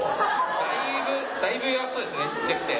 だいぶ弱そうですね小っちゃくて。